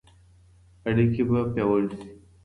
اړيکي به پياوړې سي.